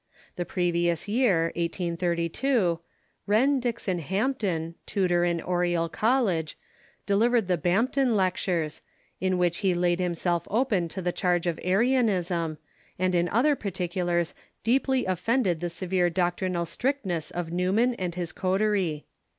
The previous year (1832) Renn Dickson Hampden, tutor in Oriel College, delivered the Bampton Lectures, in which he laid himself open to the charge of Arianism, and in other particulars deeply offended the severe doctrinal strictness of Newman and his coterie.